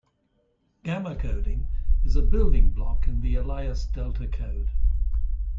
Gamma coding is a building block in the Elias delta code.